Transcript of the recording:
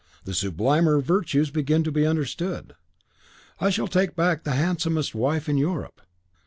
The sublimer virtues begin to be understood. I shall take back the handsomest wife in Europe."